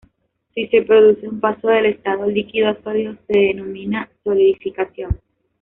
Si se produce un paso del estado líquido a sólido se denomina solidificación.